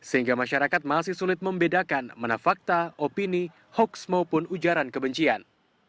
sehingga masyarakat masih sulit membedakan mana fakta opini hoax maupun ujaran kebencian